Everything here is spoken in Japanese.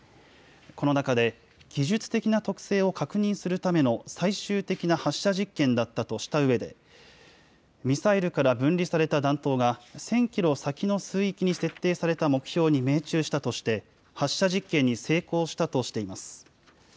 この中で、技術的な特性を確認するための最終的な発射実験だったとしたうえで、ミサイルから分離された弾頭が、１０００キロ先の水域に設定された目標に命中したとして、発射実験に成功したとしています。